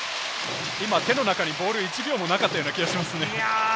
今、手の中にボール、１秒もなかったような気がしますね。